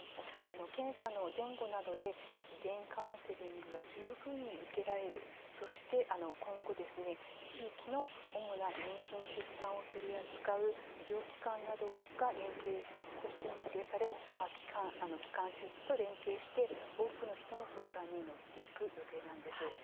検査の前後などで遺伝カウンセリングが十分に受けられるそして、今後、地域の主な妊娠、出産を取り扱う医療機関などが連携施設として認定され基幹施設と連携して多くの人の相談に乗っていく予定なんです。